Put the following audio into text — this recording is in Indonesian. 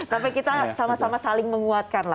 tapi kita sama sama saling menguatkan